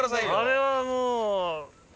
あれはもう。